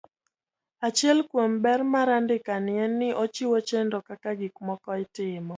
Achiel kuom ber mar andikani en ni ochiwo chenro kaka gik moko itimo.